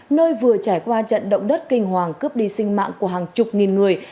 nơi vừa trải qua trận động đất kinh hoàng cướp đi sinh mạng của hàng chục nghìn người